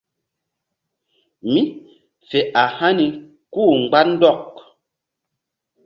Mí fe a hani kú-u mgba ndɔk.